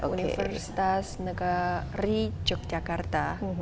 universitas negeri yogyakarta